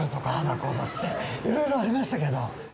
こうだいって、いろいろありましたけど。